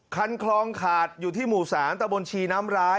คันคลองขาดอยู่ที่หมู่๓ตะบนชีน้ำร้าย